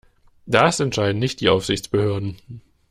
Das entscheiden nicht die Aufsichtsbehörden.